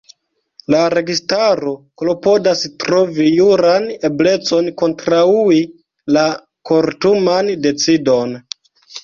La registaro klopodas trovi juran eblecon kontraŭi la kortuman decidon.